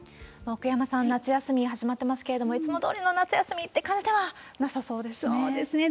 奥山さん、夏休み、始まってますけれども、いつもどおりの夏休みって感じではなさそうですね。